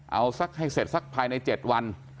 เอาให้เสร็จภายใน๗วัน